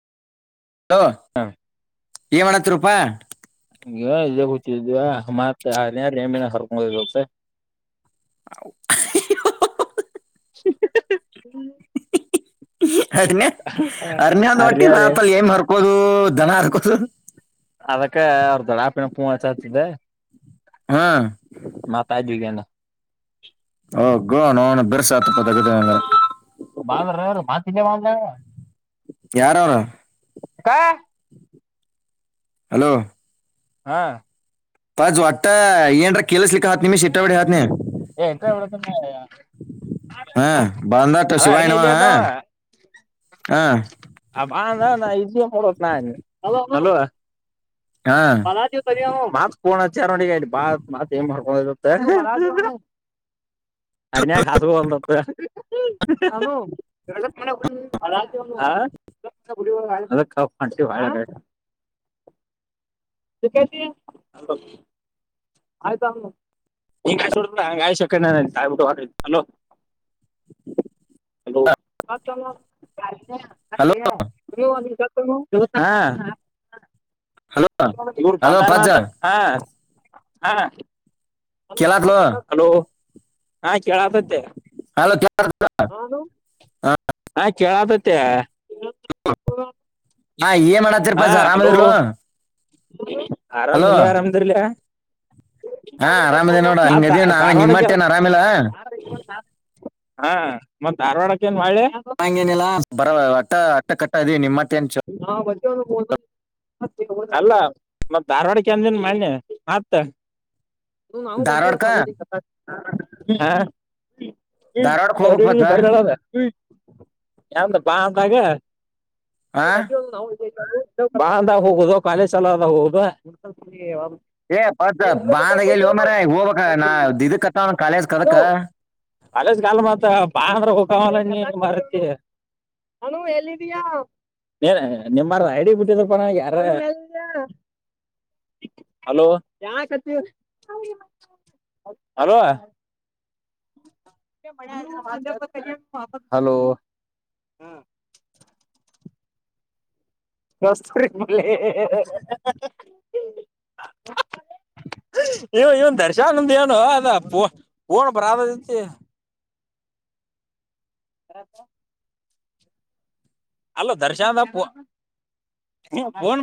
hello ಏಮಣತ್ರರು ಪ್ಪ ಈ ಇದ ಗೊತ್ತ ಮತ್ಾರ ಹೆ ಹರ್ಕೊಂಡಸ ಹ ಹ್ಮ ಹ್ಮ ಅಡ್ನೇ ಅರನೇದ ಒಟ್ಟಿ ಆರ್ಯಾರ ರಾತಲ್ಲಿ ಏಮ್ ಮರ್ಕೋದು ದನ ಆರ್ಕೋದು ಅದಕ್ಕೆ ಅರ್ ೆ ಪುಚತದೆ ಹ್ಮ್ ಮಾತ ದಗಂದ ಹಓ ಗೋ ನಣ ಬೆರ್ಸತ್ಪ ಬಲ್ರು ಮಾ ಕ ಮಾಡ ಯಾರ ಅವರ ಕ ಹಲೋ ಹಾ ತಾಜ್ ಒಟ್ಟ ಏನ್ ಕಲ ಸ್ ಲಕ್ಕ ಹತ್ ನಿಮ್ಮ ಶಿಟಾವಡೆ ಆತ್ ನೀ ಏ ಎಂತ ಹಾ ಬಾಧಾರತ ಅದ ಅರ್ನಿ ಶಿಿವಾಯನು ಇಲ್ಲೇ ಹಾ ಅದಾವ ಹ ನ ಅಲ್ವಾ ಹಾ ಪಲ ಮಾತ್ಫೋನ್ ಅಚಾರತ್ ಮಾ ಮಾಡ್ಕ ಹ ಅರಿನ್ಯಾಗ ಹ್ಯಾಸ್ಗೊಲ್ದತ್ತ..... [unintelligible] [unintelligible] ಆಯಿತಲ್ಲ ಇಂಗ್ಯಾಯಿಸಿ ಹೊಡದ್ ಬೀಡಾ ಅಂಗಾಸಿ ಹೊದ್ರಾಯಿತು ಹಲೋ ಹಲೋ...... ಹಲೋ [unintelligible] ಹಾ ಹಲೋ ಇವರು ಹಲೋ ಪಜ್ಜ ಬಂದಾರನಂತ ಹಾ.... ಹಾ ಕೇಳಾತ್ಲೋ ಲೋ ಹಾ ಕೇಳತತೆ ಹಲೋ ಕೇಳ ಕೆಳತತ್ತ ಹಾ ಏನ್ ಮಾಡತಿರ್ ಪಾ ಸ ರರಾಮದರ್ಲು ಹ [unintelligible] ಆರಾಮ್್ದ ನೀವ್ ಆರಾಮದಲಯಾ ಹಾ ಆರಾಮ್ದೇ ನೋಡ ಹಂಗದೀ ನಾವ ಧಾರವಾಡಕ್ಕೆ ನಿಮ್ಮಟ್ಟೆ ಏನ್ ಆರಾಮಿಲ್ಲ ಹಾ ಮತ್ತತ್ ಧಾರವಾಡಕ್ಕ ಏನ್ ಮಾಡಳೆ ಹಾಂಗೇನಿಲ್ಲ ಬರ ಅಟ್ಟ ಅಟ್ಟ ಕಟ್ಟ ಇ ನಿಮ್ಮ ಹಾ ಬಚೆನು ಬತ [unintelligible] ಅಲ್ಲಾ ಮ ಧಾರವಾಡಕ್ಕೆ ಅಂದನ್ ಮಾನ್ಯ ಮತ್ ಇ ನಾವು ಧಾರವಾಡಕ್ಕ ಬಂದಿವವ ಅಲ್ಲ ಧಾರವಾಡಕ್ ಹೋಗ್ಬೇಕ್ ಹ್ಮ ಬತ್ತ ಬ ಯಂತ ಬಾ ಅಂತಾಗ ಆ ನೀವು ಬಂದಿ ಒ ನಾವು ಬಾಂದಾಗ ಹೋಗುದು ಕಾಲೇಜ್ ಚಲಾಗ ಹೋಗುದು ಏ ಬತ್ ಬಾಂದಾಗ ಎಲ್ಲಿ ಹೋ ಮಾರ ಹೋಗ್ಬೇಕ ನಾಿದಕ್ತ್ತ ಒನ್ ಕಾಲೇಜ್ ಕದಕ ಕಾಲೇಜ್ ಕಾಲ ಮರ್ತ ನಾನ ಎಲ್ಲಿದಯಾ ನೀನ್ ನಿಮ್ಮಾರ ಐಡಿ ಬಿಟ್ಟಿದಪ್ಪ ನನ್ಗೆ ಯಾರ ಅಲವ ಹಲೋ ಇವನ್ ದರ್ಶನ್ಂದ ಏನು ಅದ ಪ ಪೂಣ ಬರಾದ ಹರಪ್ಪ ಅಲ್ಲ ದರ್ಶನದ